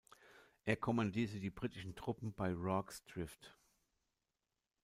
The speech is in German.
Er kommandierte die britischen Truppen bei Rorke’s Drift.